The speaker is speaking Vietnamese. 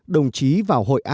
đồng chí vào hội án